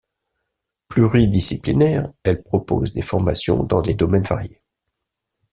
Pluridisciplinaire, elle propose des formations dans des domaines variés.